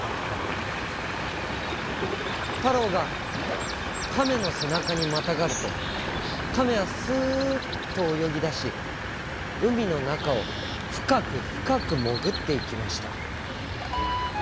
たろうがかめのせなかにまたがるとかめはすっとおよぎだしうみのなかをふかくふかくもぐっていきました。